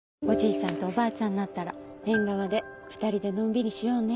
ちゃんとおばあちゃんになったら縁側で２人でのんびりしようね。